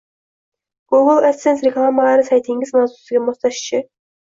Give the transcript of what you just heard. Google adsense reklamalari saytingiz mavzusiga moslashishi